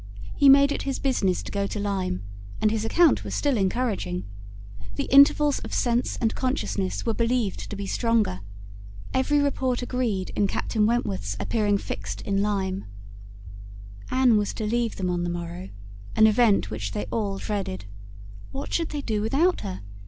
He made it his business to go to Lyme, and his account was still encouraging. The intervals of sense and consciousness were believed to be stronger. Every report agreed in Captain Wentworth's appearing fixed in Lyme. Anne was to leave them on the morrow, an event which they all dreaded. "What should they do without her?